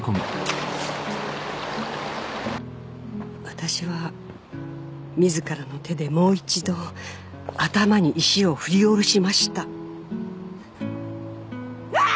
「私は自らの手でもう一度頭に石を振り下ろしました」